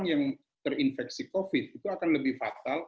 yang terinfeksi covid itu akan lebih fatal